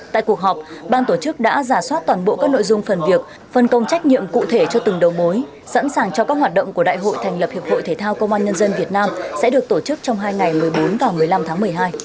tại cuộc họp ban tổ chức đã giả soát toàn bộ các nội dung phần việc phần công trách nhiệm cụ thể cho từng đầu mối sẵn sàng cho các hoạt động của đại hội thành lập hiệp hội thể thao công an nhân dân việt nam sẽ được tổ chức trong hai ngày một mươi bốn và một mươi năm tháng một mươi hai